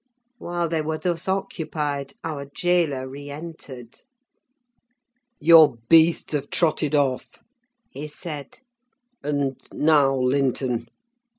While they were thus occupied, our jailor re entered. "Your beasts have trotted off," he said, "and—now Linton!